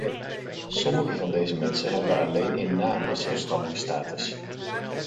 Sommige van deze mensen hebben alleen in naam een zelfstandige status.